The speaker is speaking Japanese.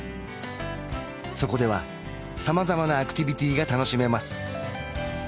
そこでは様々なアクティビティーが楽しめます